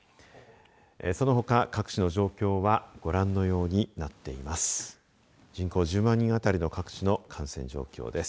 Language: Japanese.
そのほか、各地の状況はご覧のようになっています。